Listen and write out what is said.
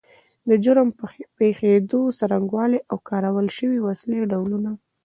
د جرم پیښېدو څرنګوالی او کارول شوې وسلې ډولونه